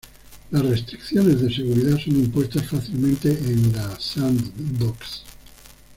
Las restricciones de seguridad son impuestas fácilmente en la sandbox.